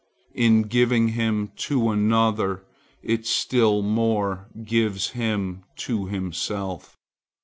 In giving him to another it still more gives him to himself.